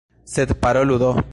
Sed parolu do.